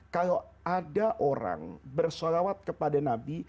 kalau ada orang bersalawat kepada nabi